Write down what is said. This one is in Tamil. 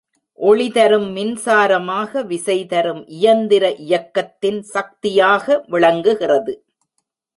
ஒளி தரும் மின்சாரமாக விசைதரும் இயந்திர இயக்கத்தின் சக்தியாக விளங்குகிறது.